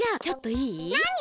ちょっといい？